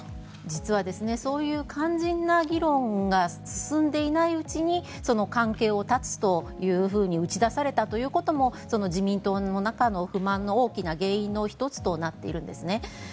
実はそういう肝心な議論が進んでいないうちに関係を断つというふうに打ち出されたということも自民党の中の不満が大きな原因の１つとなっているんですね。